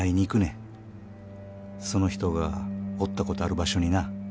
その人がおったことある場所にな。